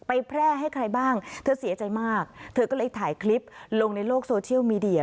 แพร่ให้ใครบ้างเธอเสียใจมากเธอก็เลยถ่ายคลิปลงในโลกโซเชียลมีเดีย